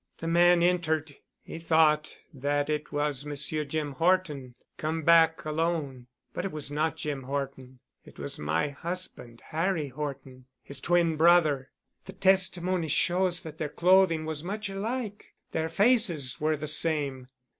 The man entered. He thought that it was Monsieur Jim Horton come back alone. But it was not Jim Horton. It was my husband, Harry Horton, his twin brother. The testimony shows that their clothing was much alike. Their faces were the same.